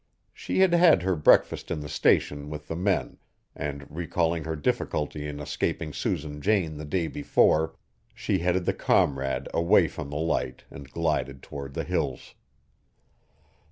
She had had her breakfast in the Station with the men and, recalling her difficulty in escaping Susan Jane the day before, she headed the Comrade away from the Light and glided toward the Hills.